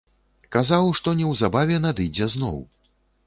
Казаў, што неўзабаве надыдзе зноў.